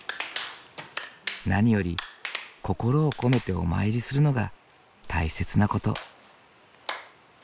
何より心を込めてお参りするのが大切な事。